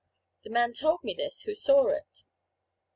The man told me this who saw it.